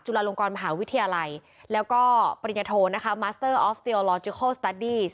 จุฬลงกรมหาวิทยาลัยแล้วก็ปริญญโทมาสเตอร์ออฟเทียโอลอจิคัลสตัดดี